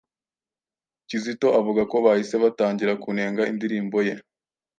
Kizito avuga ko bahise batangira kunenga indirimbo ye,